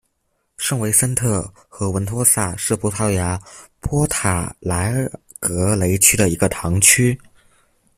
圣维森特和文托萨是葡萄牙波塔莱格雷区的一个堂区。